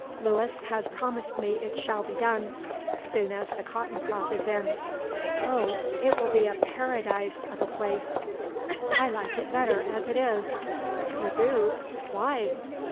Luis has promised me it shall be done, soon as the cotton crop is in. Oh! it will be a Paradise of a place!" "I like it better as it is." "You do. Why?"